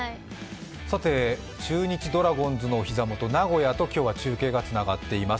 中日ドラゴンズのお膝元、名古屋と中継がつながっています。